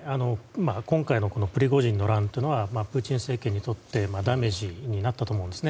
今回のプリゴジンの乱というのはプーチン政権にとってダメージになったと思うんです。